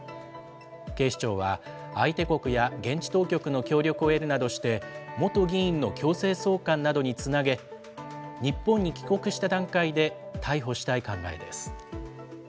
警視庁は、相手国や現地当局の協力を得るなどして、元議員の強制送還などにつなげ、日本に帰国した段階で逮捕したい考えです。